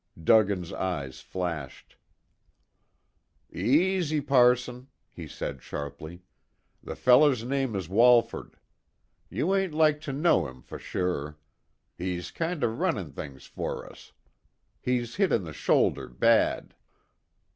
Duggan's eyes flashed. "Easy, passon," he said sharply. "The feller's name is Walford. You ain't like to know him fer sure. He's kind o' runnin' things fer us. He's hit in the shoulder bad."